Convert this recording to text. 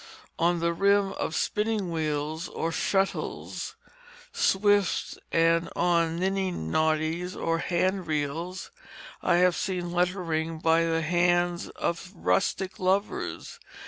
On the rim of spinning wheels, on shuttles, swifts, and on niddy noddys or hand reels I have seen lettering by the hands of rustic lovers.